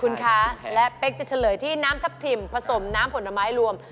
คุณคะและเป๊กจะเฉลยที่น้ำทับทิมผสมน้ำผลไม้รวม